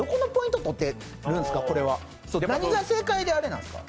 何が正解で、あれなんですか？